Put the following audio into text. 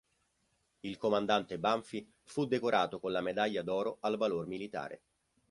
Il comandante Banfi fu decorato con la Medaglia d'oro al valor militare.